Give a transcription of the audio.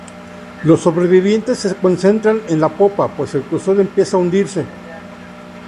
Los sobrevivientes se concentran en la popa, pues el crucero empieza a hundirse.